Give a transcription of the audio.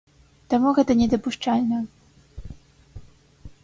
Таму гэта не дапушчальна.